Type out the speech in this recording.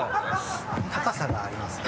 高さがありますね。